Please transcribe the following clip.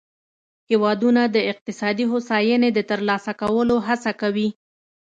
هیوادونه د اقتصادي هوساینې د ترلاسه کولو هڅه کوي